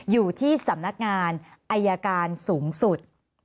อยู่ที่สำนักงานอายการสูงสุด